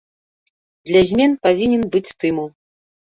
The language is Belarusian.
Для змен павінен быць стымул.